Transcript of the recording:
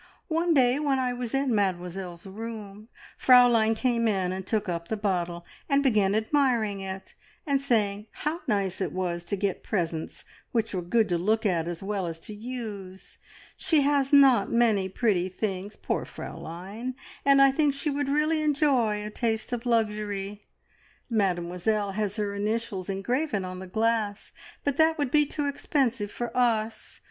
One day when I was in Mademoiselle's room, Fraulein came in and took up the bottle, and began admiring it, and saying how nice it was to get presents which were good to look at, as well as to use. She has not many pretty things poor Fraulein! and I think she would really enjoy a taste of luxury. Mademoiselle has her initials engraven on the glass, but that would be too expensive for us.